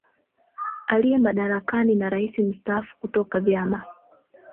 aliye madarakani na Rais Mstaafu kutoka vyama